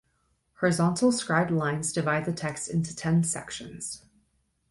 Horizontal scribed lines divide the text into ten sections.